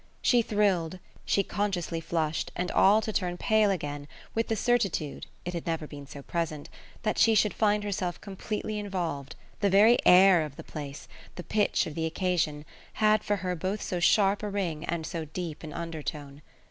She thrilled, she consciously flushed, and all to turn pale again, with the certitude it had never been so present that she should find herself completely involved: the very air of the place, the pitch of the occasion, had for her both so sharp a ring and so deep an undertone.